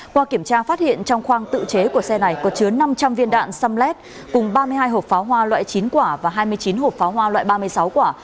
qua kiểm tra phát hiện trong khoang tự chế của xe này có chứa năm trăm linh viên đạn samlet cùng ba mươi hai hộp pháo hoa loại chín quả và hai mươi chín hộp pháo hoa loại ba mươi sáu quả